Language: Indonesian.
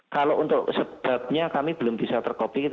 kalau untuk sebetnya kami belum bisa terkopi